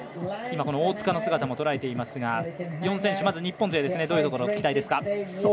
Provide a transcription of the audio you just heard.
大塚の姿もとらえていますが４選手、まず日本勢どういうところ期待ですか？